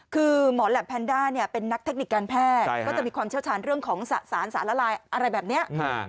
คือหมอแหลปแพนด้าเนี่ยเป็นนักเทคนิคการแพทย์ก็จะมีความเชี่ยวชาญเรื่องของสะสารสารลายอะไรแบบนี้